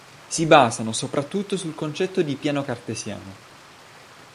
Si basano soprattutto sul concetto di piano cartesiano.